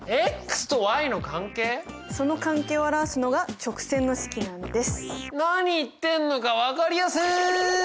その関係を表すのが直線の式なんです。